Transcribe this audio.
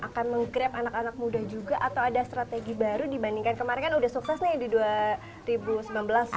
akan menggrab anak anak muda juga atau ada strategi baru dibandingkan kemarin kan udah sukses nih di dua ribu sembilan belas ya